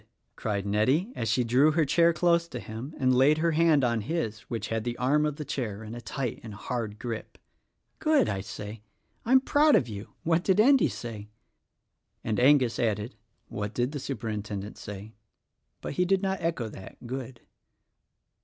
cried Nettie as she drew her chair close to him and laid her hand on his which had the arm of the chair in a tight and hard grip. "Good! I say. I am proud of you. What did Endy say?" And Angus added, "What did the Superintendent say?" but he did not echo that "Good."